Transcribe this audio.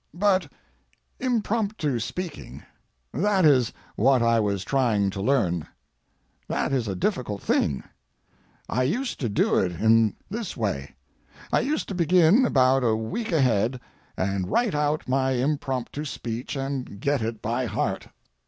But impromptu speaking—that is what I was trying to learn. That is a difficult thing. I used to do it in this way. I used to begin about a week ahead, and write out my impromptu speech and get it by heart.